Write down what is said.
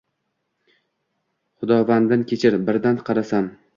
Xudovandin, kechir… Birdan qarasam: